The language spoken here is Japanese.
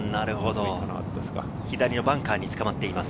左のバンカーにつかまっています。